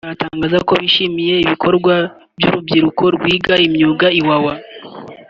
baratangazako bishimiye ibikorwa by’urubyiruko rw’iga imyuga Iwawa